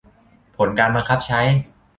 ผลการบังคับใช้